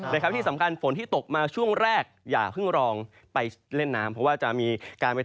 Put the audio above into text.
แต่ครับที่สำคัญฝนที่ตกมาช่วงแรกอย่าพึ่งรองไปเล่นน้ำ